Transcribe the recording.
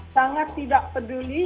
sangat tidak peduli